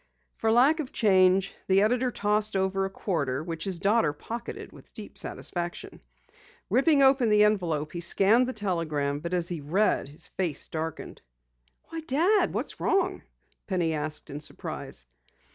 For lack of change, the editor tossed over a quarter, which his daughter pocketed with deep satisfaction. Ripping open the envelope, he scanned the telegram, but as he read, his face darkened. "Why, Dad, what's wrong?" Penny asked in surprise.